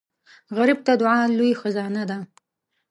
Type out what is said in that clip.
غریب ته دعا لوی خزانه ده